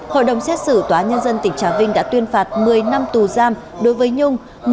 hội đồng xét xử tòa nhân dân tỉnh trà vinh đã tuyên phạt một mươi năm tù giam đối với nhung